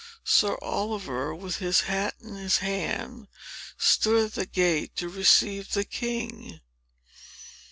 Sir Oliver, with his hat in his hand, stood at the gate to receive the king.